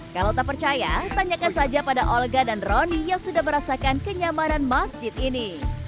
kalau tak percaya tanyakan saja pada olga dan roni yang sudah merasakan kenyamanan masjid ini